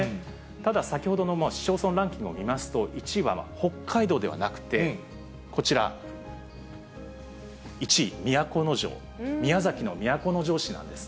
ただ先ほどの市町村ランキングを見ますと、１位は北海道ではなくて、こちら、１位都城、宮崎の都城市なんです。